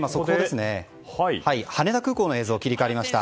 羽田空港の映像に切り替わりました。